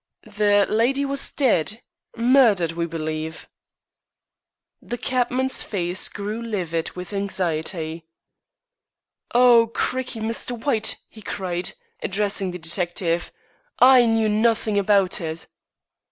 "The lady was dead murdered, we believe." The cabman's face grew livid with anxiety. "Oh, crikey, Mr. White," he cried, addressing the detective, "I knew nothink about it."